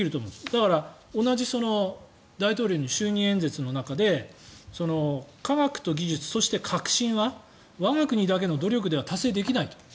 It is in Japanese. だから同じ大統領の就任演説の中で科学と技術そして革新は我が国の努力だけでは達成できない。